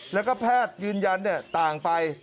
แล้วก็แพทย์ยืนยันต่างไป